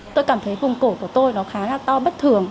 tôi cảm thấy vùng cổ của tôi nó khá là to bất thường